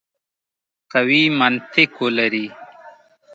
قوي منطق ولري.